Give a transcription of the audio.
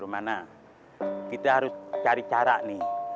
mana kita harus cari cara nih